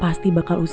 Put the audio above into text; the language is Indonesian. buat ibu duduk dulu gi